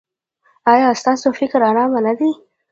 ایا ستاسو فکر ارام نه دی؟